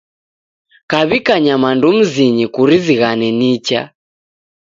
Kaw'ika nyamandu mzinyi kurizighane nicha.